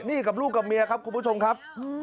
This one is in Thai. นี่กับลูกกับเมียครับคุณผู้ชมครับ